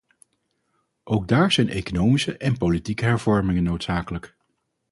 Ook daar zijn economische en politieke hervormingen noodzakelijk.